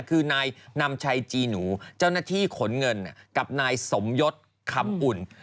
คือนายนำชัยจีหนูเจ้าหน้าที่ขนเงินกับนายสมยศคำอุ่น